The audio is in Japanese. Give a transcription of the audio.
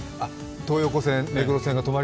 東横線、目黒線が。